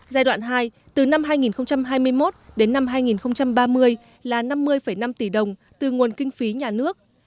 giai đoạn hai từ năm hai nghìn hai mươi một đến năm hai nghìn ba mươi là năm mươi năm tỷ đồng từ nguồn kinh phí nhà nước